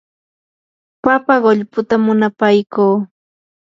papa qullputa munapaykuu.